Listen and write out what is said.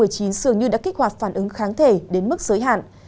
dường như đã kích hoạt phản ứng kháng thể đến mức giới hạn